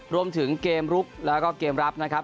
รวมถึงเกมลุกแล้วก็เกมรับนะครับ